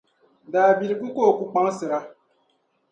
Daabiligu ka o ku kpaŋsira.